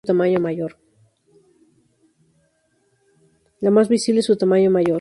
La más visible es su tamaño mayor.